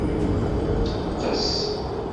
Qqes.